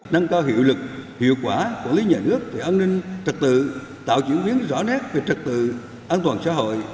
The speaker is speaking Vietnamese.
nâng cao hiệu lực hiệu quả quản lý nhà nước về an ninh trật tự tạo chuyển biến rõ nét về trật tự an toàn xã hội